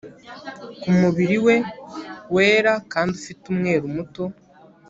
Ku mubiri we wera kandi ufite umweru muto